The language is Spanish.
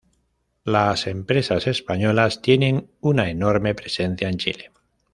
Las empresas españolas tienen una enorme presencia en Chile.